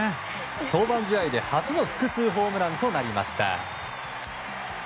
登板試合で初の複数ホームランとなりました。